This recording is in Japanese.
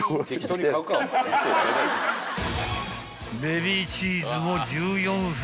［ベビーチーズも１４袋］